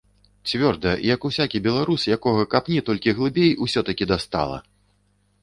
Цвёрда, як усякі беларус, якога, капні толькі глыбей, усё-такі дастала!